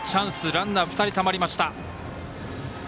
ランナー２人たまりました。